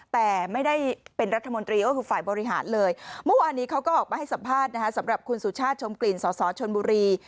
แต่ไม่ได้เป็นรัฐมนตรีก็คือฝ่ายบริหารเลยเมื่อวานนี้เขาก็ออกมาให้สัมภาษณ์นะคะสำหรับคุณสุชาติชมกลิ่นสสชนบุรี